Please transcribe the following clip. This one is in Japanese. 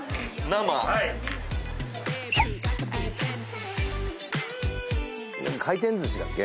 ・はい回転寿司だっけ？